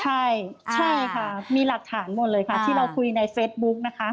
ใช่ใช่ค่ะมีหลักฐานหมดเลยค่ะที่เราคุยในเฟซบุ๊กนะคะ